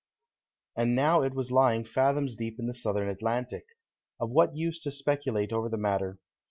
And now it was lying fathoms deep in the Southern Atlantic. Of what use to speculate over the matter.